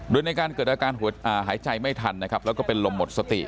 โดยในการเกิดอาการหายใจไม่ทันนะครับแล้วก็เป็นลมหมดสติ